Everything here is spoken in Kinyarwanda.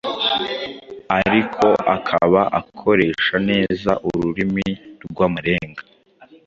ariko akaba akoresha neza ururimi rw’amarenga.